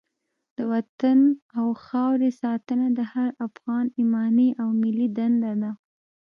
د وطن او خاورې ساتنه د هر افغان ایماني او ملي دنده ده.